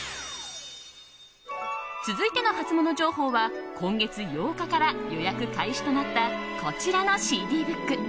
続いてのハツモノ情報は今月８日から予約開始となったこちらのＣＤブック。